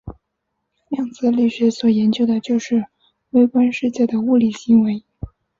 量子力学所研究的就是微观世界的物理行为。